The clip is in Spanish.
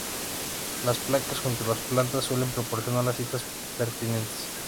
Las placas junto a las plantas suelen proporcionar las citas pertinentes.